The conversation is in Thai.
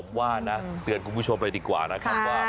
ผมว่านะเตือนคุณผู้ชมเลยดีกว่านะครับว่า